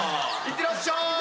いってらっしゃいませ！